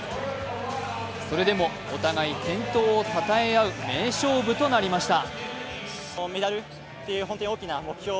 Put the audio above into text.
それでもお互い健闘をたたえ合う名勝負となりました。